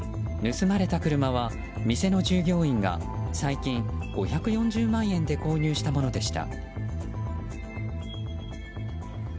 盗まれた車は店の従業員が最近５４０万円で購入したものでした。